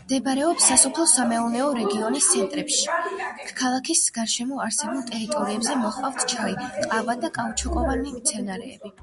მდებარეობს სასოფლო-სამეურნეო რეგიონის ცენტრში, ქალაქის გარშემო არსებულ ტერიტორიებზე მოჰყავთ ჩაი, ყავა და კაუჩუკოვანი მცენარეები.